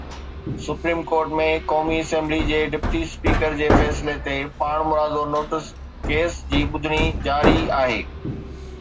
Supreme court ۾ قومي assembly جي deputy speaker جي فيصلي تي پاڻمرادو نوٽيس ڪيس جي ٻڌڻي جاري آهي.